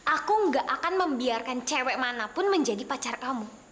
aku gak akan membiarkan cewek manapun menjadi pacar kamu